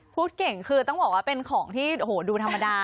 พูดเก่งคือต้องบอกว่าเป็นของที่โอ้โหดูธรรมดา